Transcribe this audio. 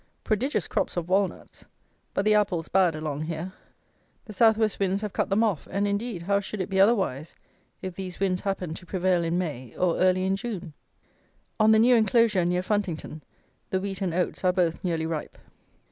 Prodigious crops of walnuts; but the apples bad along here. The South West winds have cut them off; and, indeed, how should it be otherwise, if these winds happen to prevail in May, or early in June? On the new enclosure, near Funtington, the wheat and oats are both nearly ripe.